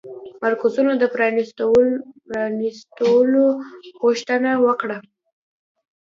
مرکزونو د پرانيستلو غوښتنه وکړه